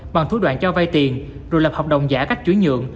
bằng thủ đoạn cho vai tiền rồi lập hợp đồng giả cách chú ý nhuận